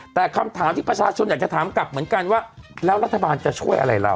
แต่คำถามที่ประชาชนอยากจะถามกลับเหมือนกันว่าแล้วรัฐบาลจะช่วยอะไรเรา